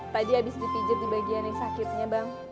tadi habis dipijat di bagian yang sakitnya bang